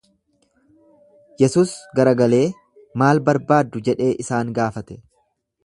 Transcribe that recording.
Yesus garagalee, Maal barbaaddu jedhee isaan gaafate.